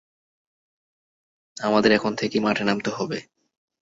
আমাদের এখন থেকেই মাঠে নামতে হবে।